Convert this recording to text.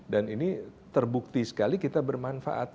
dan ini terbukti sekali kita bermanfaat